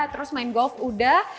terus main golf udah